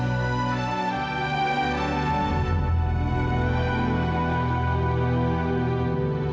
baru ditanyakan hati hati dengan falco siap